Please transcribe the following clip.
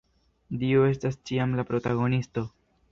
Dio estas ĉiam la protagonisto.